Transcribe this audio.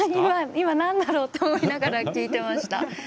今、何だろうと思いながら聞いていました。